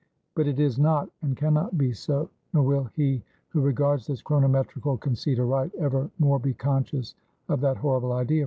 But it is not, and can not be so; nor will he who regards this chronometrical conceit aright, ever more be conscious of that horrible idea.